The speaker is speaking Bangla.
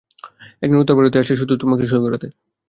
একজন উত্তর ভারতীয় আসছে শুধু তোমাকে সঁই করাতে।